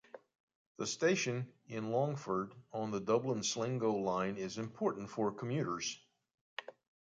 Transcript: The station in Longford on the Dublin-Sligo line is important for commuters.